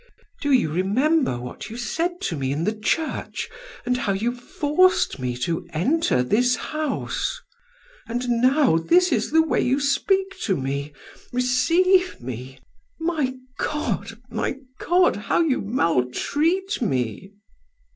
Do you remember what you said to me in the church and how you forced me to enter this house? And now this is the way you speak to me, receive me! My God, my God, how you maltreat me!"